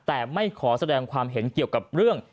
แต่ไม่ขอแสดงความเห็นเกี่ยวกับเรื่อง